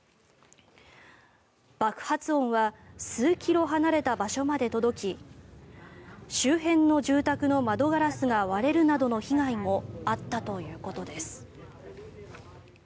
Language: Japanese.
爆発音は数キロ離れた場所まで届き周辺の住宅の窓ガラスが割れるなどの被害もあったということです。